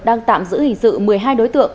đang tạm giữ hình sự một mươi hai đối tượng